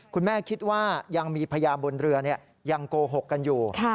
คุณแม่คิดว่ายังมีพยานบนเรือยังโกหกกันอยู่